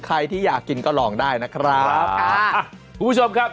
ใครที่อยากกินก็ลองได้นะครับค่ะอ่ะคุณผู้ชมครับ